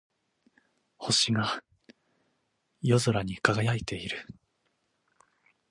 星が夜空に輝いている。